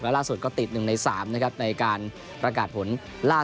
และล่าสุดก็ติดหนึ่งในสามนะครับในการประกาศผลล่า